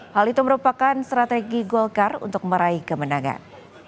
hal itu merupakan strategi golkar untuk meraih kemenangan